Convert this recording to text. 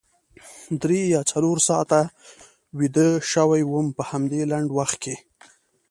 درې یا څلور ساعته ویده شوې وم په همدې لنډ وخت کې.